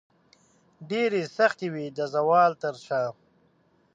ډیرې سختې وې د زوال تر شاه